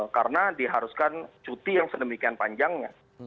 karena diharuskan cuti yang sedemikian panjangnya